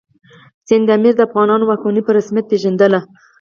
سند امیر د افغانانو واکمني په رسمیت پېژندل.